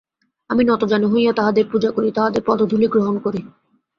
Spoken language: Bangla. আমি নতজানু হইয়া তাঁহাদের পূজা করি, তাঁহাদের পদধূলি গ্রহণ করি।